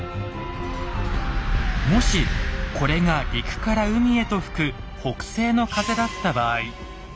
もしこれが陸から海へと吹く北西の風だった場合。